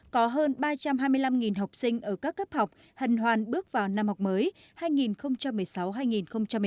có hơn ba trăm hai mươi năm học sinh ở các cấp học hần hoàn bước vào năm học mới hai nghìn một mươi sáu hai nghìn một mươi chín